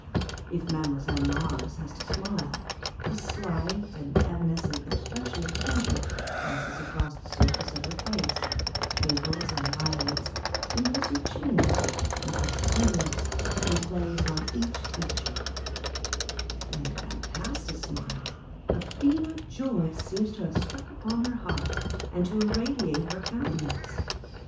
If Mademoiselle Mars has to smile, a slight and evanescent expression of pleasure passes across the surface of her face ; twinkles in her eyelids, dimples her chin, compresses her lips, and plays on each feature : when Madame Pasta smiles, a beam of joy seems to have struck upon her heart, and to irradiate her countenance.